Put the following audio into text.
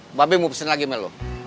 mbak be mau pesen lagi email lo